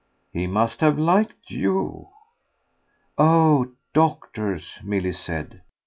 "He must have liked YOU." "Oh doctors!" Milly said.